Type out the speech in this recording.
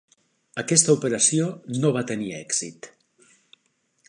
Aquesta operació no va tenir èxit.